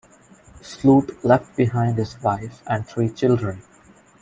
Sloot left behind his wife and three children.